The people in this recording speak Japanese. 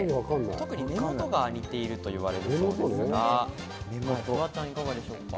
特に目元が似てると言われるそうですが、フワちゃんいかがでしょうか。